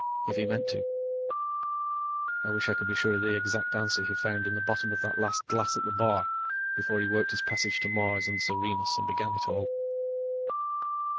If he meant to. I wish I could be sure of the exact answer he found in the bottom of that last glass at the bar before he worked his passage to Mars and the Serenus, and began it all.